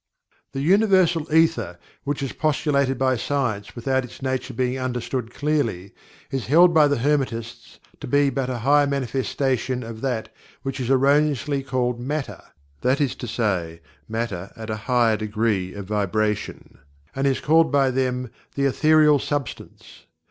The Universal Ether, which is postulated by science without its nature being understood clearly, is held by the Hermetists to be but a higher manifestation of that which is erroneously called matter that is to say, Matter at a higher degree of vibration and is called by them "The Ethereal Substance."